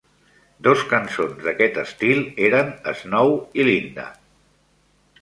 Dos cançons d'aquest estil eren "Snow" i "Linda".